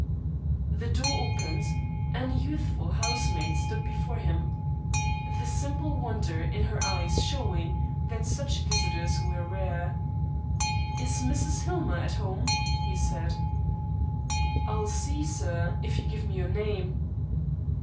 The door opened, and a youthful housemaid stood before him, the simple wonder in her eyes showing that such visitors were rare. "Is Mrs. Hillmer at home?" he said. "I'll see sir, if you give me your name."